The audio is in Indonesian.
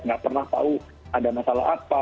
nggak pernah tahu ada masalah apa